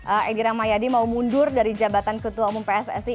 egy ramayadi mau mundur dari jabatan ketua umum pssi